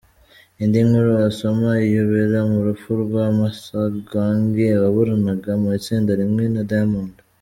Indi nkuru wasoma: Iyobera mu rupfu rwa Masogange waburanaga mu itsinda rimwe na Diamond.